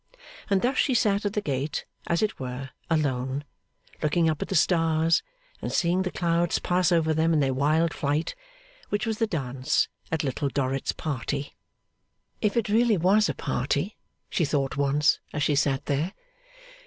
And thus she sat at the gate, as it were alone; looking up at the stars, and seeing the clouds pass over them in their wild flight which was the dance at Little Dorrit's party. 'If it really was a party!' she thought once, as she sat there.